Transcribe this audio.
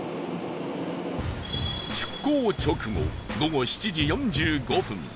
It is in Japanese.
出港直後、午後７時４５分